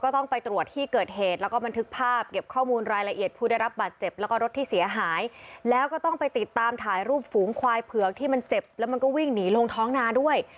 ต้องไปตรวจที่เกิดเหตุแล้วก็บันทึกภาพเก็บข้อมูลรายละเอียดผู้ได้รับบาดเจ็บแล้วก็รถที่เสียหายแล้วก็ต้องไปติดตามถ่ายรูปฝูงควายเผือกที่มันเจ็บแล้วมันก็วิ่งหนีลงท้องนาด้วย